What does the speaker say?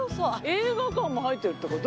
映画館も入ってるって事？